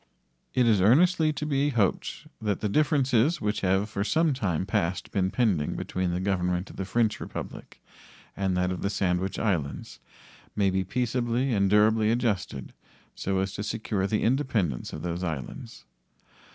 It is earnestly to be hoped that the differences which have for some time past been pending between the Government of the French Republic and that of the Sandwich Islands may be peaceably and durably adjusted so as to secure the independence of those islands.